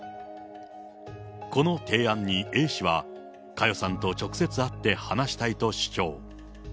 この提案にＡ氏は、佳代さんと直接会って話したいと主張。